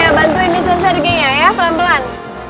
ayo bantuin mr sergei ya pelan pelan